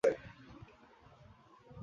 আমি হাঁটতে শুরু কললেই সেও হাঁটতে শুরু করে।